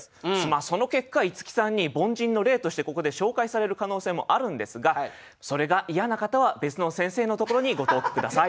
その結果いつきさんに凡人の例としてここで紹介される可能性もあるんですがそれが嫌な方は別の先生のところにご投句下さい。